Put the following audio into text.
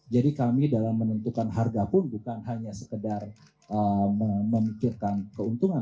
jadi kami dalam menentukan harga pun bukan hanya sekedar memikirkan keuntungan